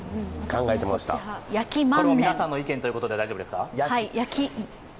皆さんの意見ということで大丈夫ですか？